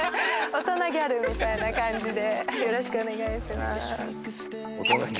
大人ギャルみたいなよろしくお願いしまーす